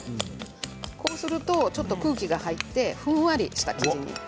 そうすると空気が入ってふんわりした生地に。